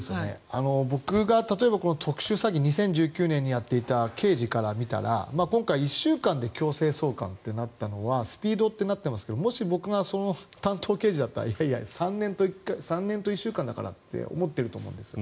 僕が例えば特殊詐欺２０１９年にやっていた刑事から見たら今回、１週間で強制送還ってなったのはスピードとなっていますがもし僕がその担当刑事だったらいやいや３年と１週間だからって思ってると思うんです。